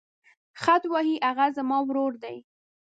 خط وهي هغه زما ورور دی.